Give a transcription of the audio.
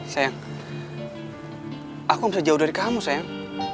sayang aku bisa jauh dari kamu sayang